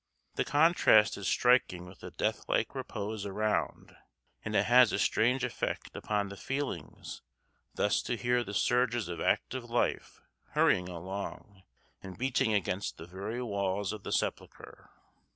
The contrast is striking with the deathlike repose around; and it has a strange effect upon the feelings thus to hear the surges of active life hurrying along and beating against the very walls of the sepulchre.